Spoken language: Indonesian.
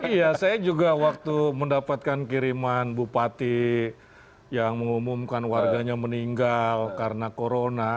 iya saya juga waktu mendapatkan kiriman bupati yang mengumumkan warganya meninggal karena corona